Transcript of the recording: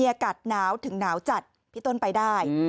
อากาศหนาวถึงหนาวจัดพี่ต้นไปได้